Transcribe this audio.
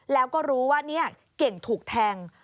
แล้วก็รู้ว่าเนี่ยเก่งถูกแทง